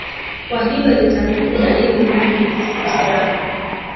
kama hilo litafanyika hivyo ndani ya siku saba